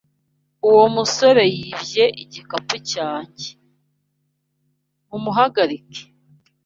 Uwo musore yibye igikapu cyanjye! Mumuhagarike!